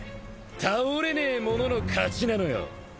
倒れねえ者の勝ちなのよ！